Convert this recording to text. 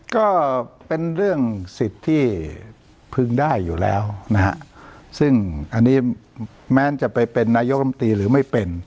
ก็เป็นเรื่องสิทธิ์ที่พึงได้อยู่แล้วนะฮะซึ่งอันนี้แม้จะไปเป็นนายกรรมตรีหรือไม่เป็น